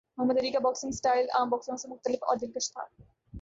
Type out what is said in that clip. محمد Ali کا boxing style عام باکسروں سے مختلف اور دلکش تھا۔